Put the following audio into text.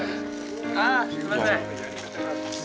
あすいません。